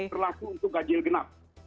terlaku untuk gajil genap